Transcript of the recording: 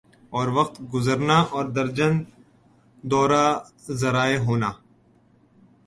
اور وقت گزرنا اور درجن دورہ ذرائع ہونا